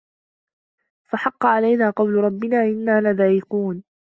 فَحَقَّ عَلَينا قَولُ رَبِّنا إِنّا لَذائِقونَ